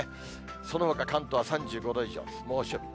そのほか関東は３５度以上、猛暑日。